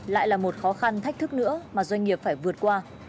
lại là một khó khăn thách thức nữa mà doanh nghiệp phải vượt qua